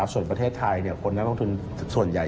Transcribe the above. ส่วนประเทศไทยคนนักลงทุนส่วนใหญ่